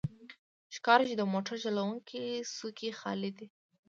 ښکاري چې د موټر چلوونکی څوکۍ خالي ده.